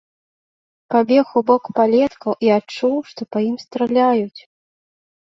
Пабег у бок палеткаў і адчуў, што па ім страляюць.